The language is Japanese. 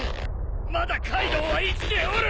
まだカイドウは生きておる！